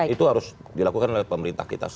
itu harus dilakukan oleh pemerintah kita